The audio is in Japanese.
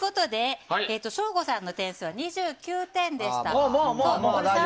省吾さんの点数は２９点でした。